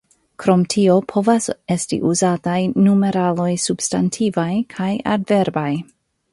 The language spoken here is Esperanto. Krom tio povas esti uzataj numeraloj substantivaj kaj adverbaj.